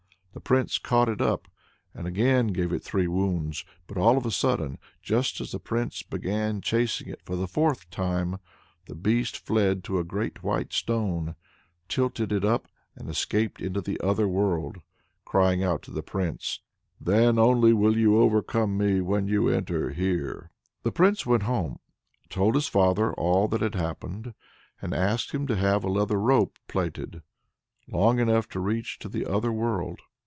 The Prince caught it up, and again gave it three wounds. But all of a sudden, just as the Prince began chasing it for the fourth time, the Beast fled to a great white stone, tilted it up, and escaped into the other world, crying out to the Prince: "Then only will you overcome me, when you enter here." The Prince went home, told his father all that had happened, and asked him to have a leather rope plaited, long enough to reach to the other world.